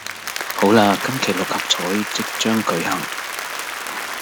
好喇今期六合彩即將舉行